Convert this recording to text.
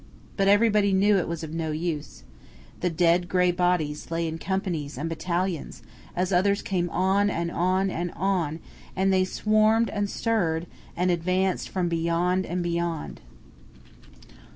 But everybody knew it was of no use. The dead gray bodies lay in companies and battalions, as others came on and on and on, and they swarmed and stirred, and advanced from beyond and beyond.